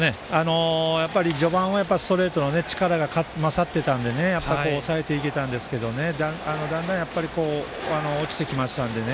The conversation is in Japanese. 序盤はストレートの力が勝っていたので抑えていけたんですがだんだん落ちてきましたのでね。